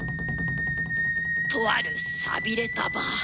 とある寂れたバー。